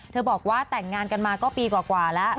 บอกว่าแต่งงานกันมาก็ปีกว่าแล้ว